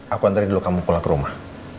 aku antarik dulu kamu pulang ke rumah